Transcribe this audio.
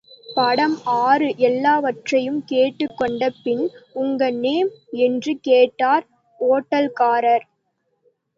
படம் – ஆறு எல்லாவற்றையும் கேட்டுக்கொண்ட பின் உங்க நேம்? என்று கேட்டார் ஓட்டல்காரர்.